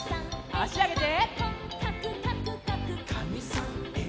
あしあげて。